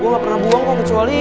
gue gak pernah buang kok kecuali